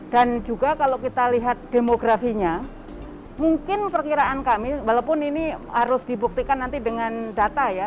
dan juga kalau kita lihat demografinya mungkin perkiraan kami walaupun ini harus dibuktikan nanti dengan data ya